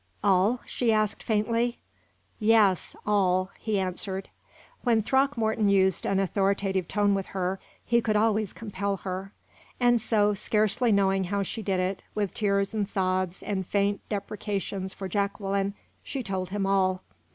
"All?" she asked, faintly. "Yes all!" he answered. When Throckmorton used an authoritative tone with her, he could always compel her; and so, scarcely knowing how she did it, with tears and sobs, and faint deprecations for Jacqueline, she told him all.